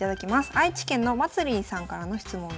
愛知県のまつりんさんからの質問です。